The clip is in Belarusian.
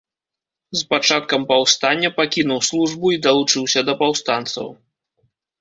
З пачаткам паўстання пакінуў службу і далучыўся да паўстанцаў.